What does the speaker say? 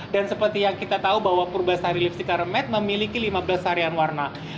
dan seperti yang kita tahu bahwa purbasari lipstick color made memiliki lima belas harian warna